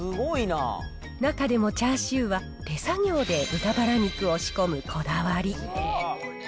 中でもチャーシューは、手作業で豚ばら肉を仕込むこだわり。